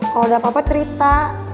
kalo udah apa apa cerita